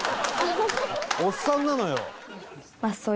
おっさんなのよ。